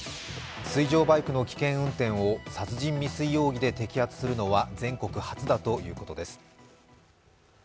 水上バイクの危険運転を殺人未遂容疑で摘発するのは全国初だということです。